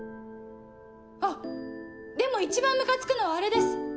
あっでも一番ムカつくのはあれです。